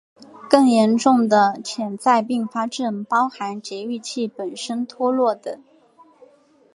更严重的潜在并发症包含节育器本身脱落等。